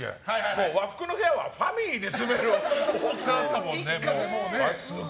もう和服の部屋はファミリーで住める大きさだったもんね。